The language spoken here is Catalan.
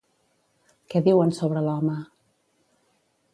Què diuen sobre l'home?